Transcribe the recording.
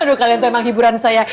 aduh kalian tuh emang hiburan saya